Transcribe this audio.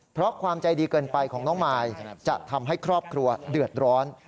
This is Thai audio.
เพราะความใจดีเกินไปของน้องมายจะทำให้ครอบครัวเดือดร้อน